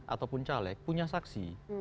ataupun caleg punya saksi